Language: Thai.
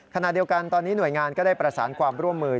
ขณะเดียวกันตอนนี้หน่วยงานก็ได้ประสานความร่วมมือ